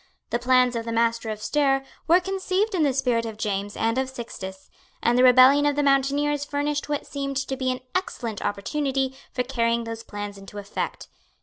The plans of the Master of Stair were conceived in the spirit of James and of Sixtus; and the rebellion of the mountaineers furnished what seemed to be an excellent opportunity for carrying those plans into effect.